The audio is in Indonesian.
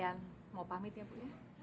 kalian mau pamit ya bu